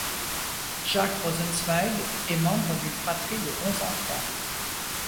Jacques Rosenzweig est membre d'une fratrie de onze enfants.